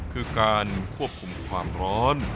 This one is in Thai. คือการควบคุมความร้อน